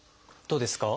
どうですか？